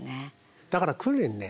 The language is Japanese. だから訓練ね